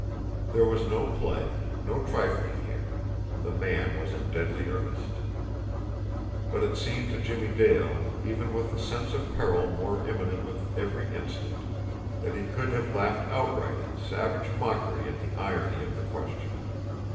There was no play, no trifling here; the man was in deadly earnest. But it seemed to Jimmie Dale, even with the sense of peril more imminent with every instant, that he could have laughed outright in savage mockery at the irony of the question.